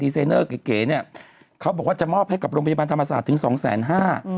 ไซเนอร์เก๋เก๋เนี่ยเขาบอกว่าจะมอบให้กับโรงพยาบาลธรรมศาสตร์ถึงสองแสนห้า